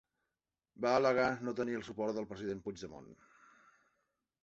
Va al·legar no tenir el suport del president Puigdemont.